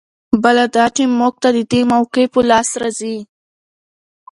بله دا چې موږ ته د دې موقعې په لاس راځي.